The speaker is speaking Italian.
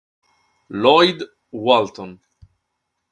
Lloyd Walton